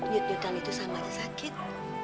nyut nyutan itu sama aja sakit